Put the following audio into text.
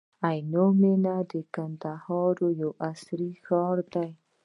عینو مېنه د کندهار یو عصري ښار دی.